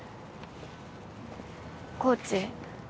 コーチ。